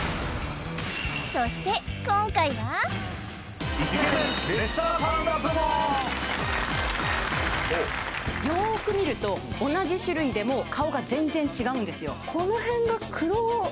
そして今回はよーく見ると同じ種類でも顔が全然違うんですよ